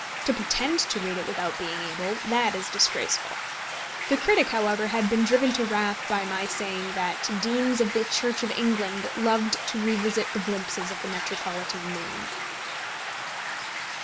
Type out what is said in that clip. To pretend to read it without being able, that is disgraceful. The critic, however, had been driven to wrath by my saying that Deans of the Church of England loved to revisit the glimpses of the metropolitan moon.